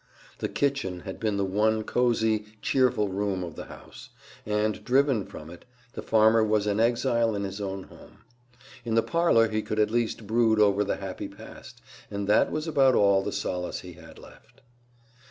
The kitchen had been the one cozy, cheerful room of the house, and, driven from it, the farmer was an exile in his own home. In the parlor he could at least brood over the happy past, and that was about all the solace he had left.